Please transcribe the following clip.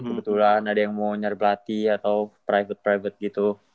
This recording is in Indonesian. kebetulan ada yang mau nyari pelatih atau private private gitu